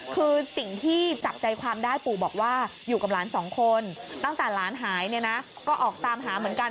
คือสิ่งที่จับใจความได้ปู่บอกว่าอยู่กับหลานสองคนตั้งแต่หลานหายเนี่ยนะก็ออกตามหาเหมือนกัน